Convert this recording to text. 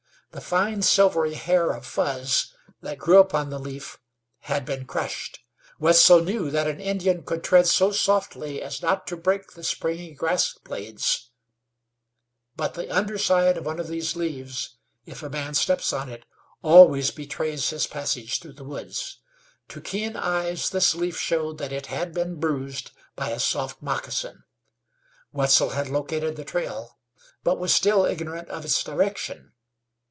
The fine, silvery hair of fuzz that grew upon the leaf had been crushed. Wetzel knew that an Indian could tread so softly as not to break the springy grass blades, but the under side of one of these leaves, if a man steps on it, always betrays his passage through the woods. To keen eyes this leaf showed that it had been bruised by a soft moccasin. Wetzel had located the trail, but was still ignorant of its direction.